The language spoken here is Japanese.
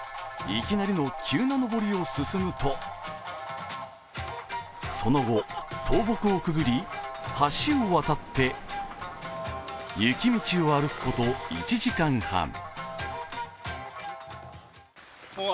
いきなり急な登りを進むとその後、倒木をくぐり橋を渡って雪道を歩くこと１時間半。